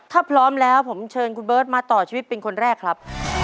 ถ้าพร้อมแล้วผมเชิญคุณเบิร์ตมาต่อชีวิตเป็นคนแรกครับ